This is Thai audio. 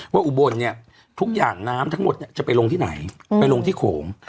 อุบลเนี่ยทุกอย่างน้ำทั้งหมดจะไปลงที่ไหนไปลงที่โขง